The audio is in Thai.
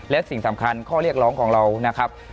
และสิ่งสำคัญข้อเรียกร้องของเรานะครับ